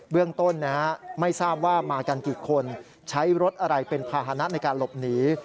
เรื่องต้นไม่ทราบว่ามากันกี่คนใช้รถอะไรเป็นภาษณะในการหลบหนี